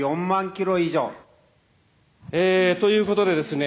ということでですね